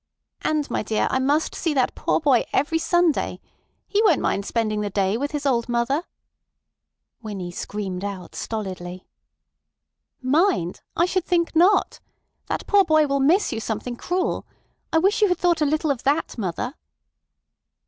"And, my dear, I must see that poor boy every Sunday. He won't mind spending the day with his old mother—" Winnie screamed out stolidly: "Mind! I should think not. That poor boy will miss you something cruel. I wish you had thought a little of that, mother."